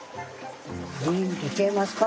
いいんとちゃいますか？